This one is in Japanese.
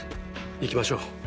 行きましょう。